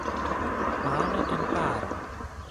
πάω να τον πάρω.